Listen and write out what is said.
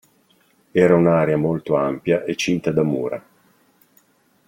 Era un'area molto ampia e cinta da mura.